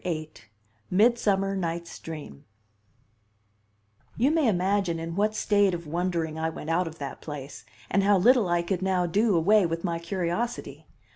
VIII: Midsummer Night's Dream You may imagine in what state of wondering I went out of that place, and how little I could now do away with my curiosity.